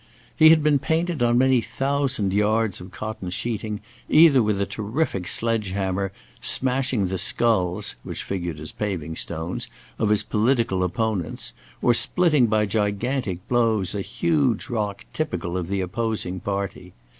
He had been painted on many thousand yards of cotton sheeting, either with a terrific sledge hammer, smashing the skulls (which figured as paving stones) of his political opponents, or splitting by gigantic blows a huge rock typical of the opposing party.